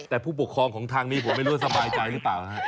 แต่ผู้ปกครองของทางนี้ผมไม่รู้ว่าสบายใจหรือเปล่านะครับ